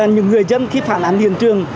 những người dân khi phản án liên trường